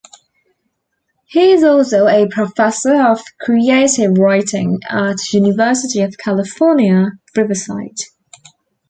He is also a professor of creative writing at University of California, Riverside.